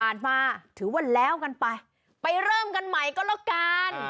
มาถือว่าแล้วกันไปไปเริ่มกันใหม่ก็แล้วกัน